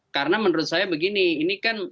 karena menurut saya begini ini kan